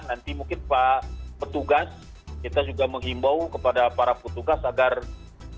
nanti mungkin pak petugas kita juga menghimbau kepada para petugas agar